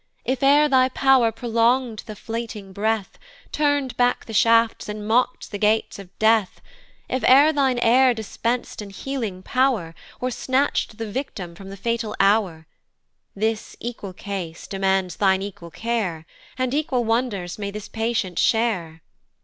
If ere thy pow'r prolong'd the fleeting breath, Turn'd back the shafts, and mock'd the gates of death, If ere thine air dispens'd an healing pow'r, Or snatch'd the victim from the fatal hour, This equal case demands thine equal care, And equal wonders may this patient share.